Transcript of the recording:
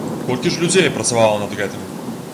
Колькі ж людзей працавала над гэтым?